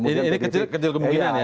ini kecil kemungkinan ya